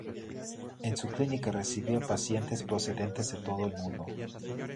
En su clínica recibía pacientes procedentes de todo el mundo.